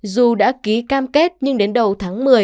dù đã ký cam kết nhưng đến đầu tháng một mươi